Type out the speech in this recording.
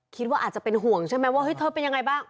คิดว่าอาจจะเป็นห่วงใช่ไหมว่าเฮ้ยเธอเป็นยังไงบ้าง